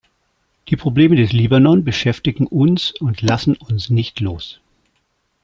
Die Probleme des Libanon beschäftigen uns und lassen uns nicht los.